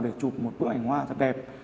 để chụp một bức ảnh hoa thật đẹp